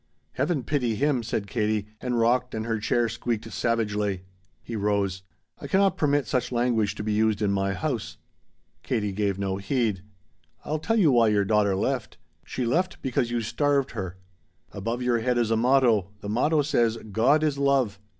"Heaven pity Him!" said Katie, and rocked and her chair squeaked savagely. He rose. "I cannot permit such language to be used in my house." Katie gave no heed. "I'll tell you why your daughter left. She left because you starved her. "Above your head is a motto. The motto says, 'God Is Love.'